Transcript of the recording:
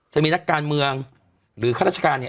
จะมีนักการเมืองหรือข้าราชการเนี่ย